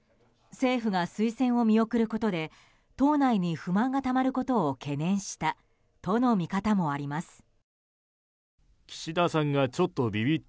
政府が推薦を見送ることで党内に不満がたまることを懸念したとの見方もあります。